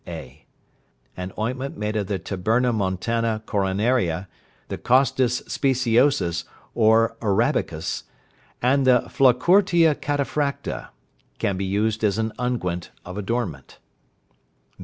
(a). An ointment made of the tabernamontana coronaria, the costus speciosus or arabicus, and the flacourtia cataphracta, can be used as an unguent of adornment.